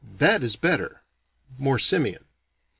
That is better! (More simian.)